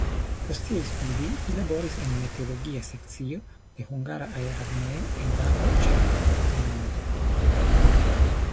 Post siaj studoj li laboris en meteologia sekcio de hungara aerarmeo en rango ĉef-leŭtenanto.